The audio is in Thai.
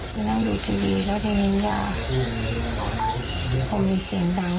คุณนั่งดูทีวีแล้วที่นี่ย่าคงมีเสียงดัง